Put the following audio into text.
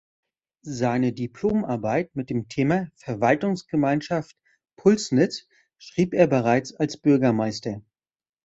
Seine Diplomarbeit mit dem Thema „Verwaltungsgemeinschaft Pulsnitz“ schrieb er bereits als Bürgermeister.